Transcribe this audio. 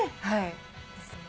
はい。